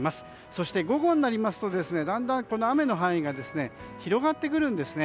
そして、午後になりますと雨の範囲が広がってくるんです。